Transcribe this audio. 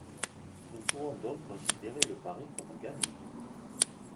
Nous pouvons donc considérer le pari comme gagné.